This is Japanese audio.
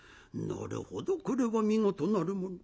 なるほどこれは見事なるもの。